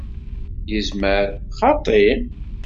Yezmer xaṭi.